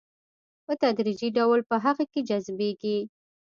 په تدريجي ډول په هغه کې جذبيږي.